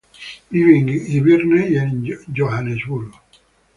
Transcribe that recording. Vive en Irvine y Johannesburgo.